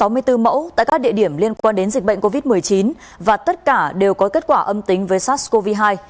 chín tám trăm sáu mươi bốn mẫu tại các địa điểm liên quan đến dịch bệnh covid một mươi chín và tất cả đều có kết quả âm tính với sars cov hai